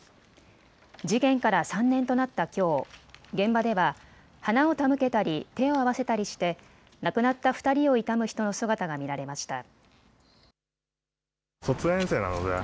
事件から３年となったきょう現場では花を手向けたり手を合わせたりして亡くなった２人を悼む人の姿が見られました。